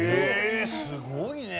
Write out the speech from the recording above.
すごいね。